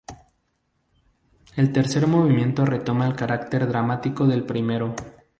El tercer movimiento retoma el carácter dramático del primero.